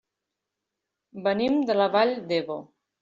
Venim de la Vall d'Ebo.